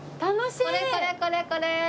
これこれこれこれ。